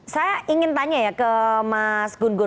saya ingin tanya ya ke mas gunggun